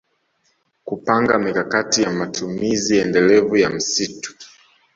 Kupanga mikakati ya matumizi endelevu ya msitu